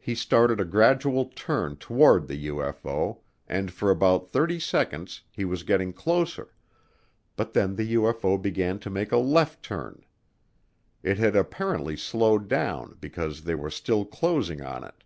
He started a gradual turn toward the UFO and for about thirty seconds he was getting closer, but then the UFO began to make a left turn. It had apparently slowed down because they were still closing on it.